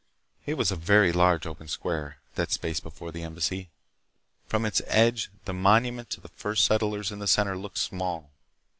It was a very large open square, that space before the Embassy. From its edge, the monument to the First Settlers in the center looked small.